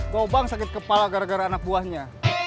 gobang sakit kepala gara gara anak buahnya